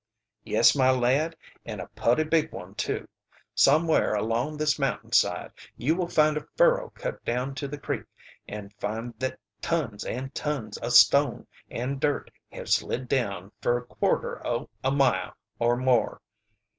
"Yes, my lad, and a putty big one, too. Somewhar along this mountain side you will find a furrow cut down to the creek, an' find thet tons an' tons o' stone and dirt have slid down fer quarter o' a mile or more.